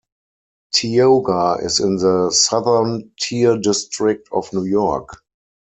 Tioga is in the Southern Tier District of New York.